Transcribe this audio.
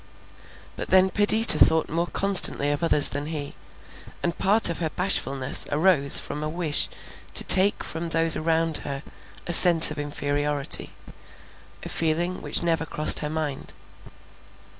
But then Perdita thought more constantly of others than he; and part of her bashfulness arose from a wish to take from those around her a sense of inferiority; a feeling which never crossed her mind.